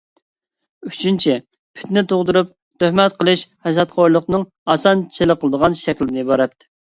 ئۈچىنچى، پىتنە تۇغدۇرۇپ، تۆھمەت قىلىش ھەسەتخورلۇقنىڭ ئاسان چېلىقىدىغان شەكلىدىن ئىبارەت.